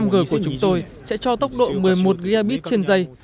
năm g của chúng tôi sẽ cho tốc độ một mươi một gb trên dây